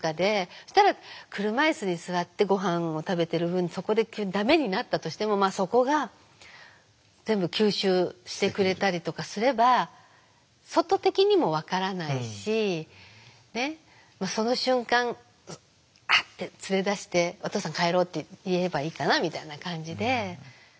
そしたら車椅子に座ってごはんを食べてる分そこでダメになったとしてもそこが全部吸収してくれたりとかすれば外的にも分からないしその瞬間「あっ」て連れ出して「お父さん帰ろう」って言えばいいかなみたいな感じで。